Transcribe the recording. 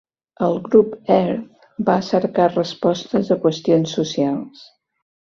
El grup Earth va cercar respostes a qüestions socials.